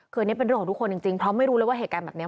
คืออันนี้เป็นเรื่องของทุกคนจริงเพราะไม่รู้เลยว่าเหตุการณ์แบบนี้